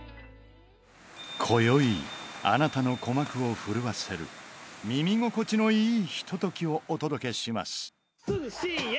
今宵、あなたの鼓膜を震わせる耳心地のいいひとときをお届けします。